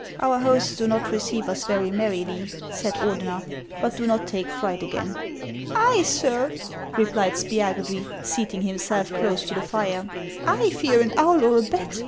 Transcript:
" Our hosts do not receive us very merrily," said Ordener ;" but do not take fright again." " I, sir," replied Spiagudry, seating himself close to the fire ;" I fear an owl or a bat